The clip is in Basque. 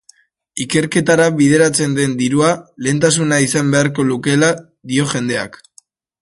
Ikerketara bideratzen den dirua lehentasuna izan beharko lukeela dio gendeak.